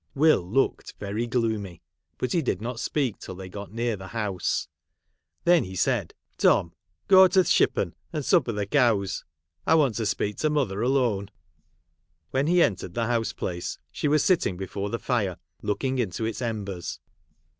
Will looked very gloomy, but he did not speak till they got near the house. Then he said, —' Tom, go to th' shippon, and supper the cows. I want to speak to mother alone.' When he entered the house place, she was sitting before the fire, looking into its embers.